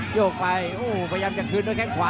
โยกไปโอ้พยายามจะคืนด้วยแข้งขวา